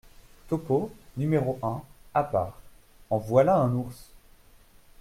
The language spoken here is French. Topeau , n° un, à part. — En voilà un ours !